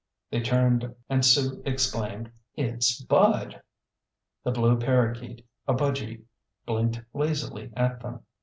They turned and Sue exclaimed, "It's Bud!" The blue parakeet, a budgy, blinked lazily at them.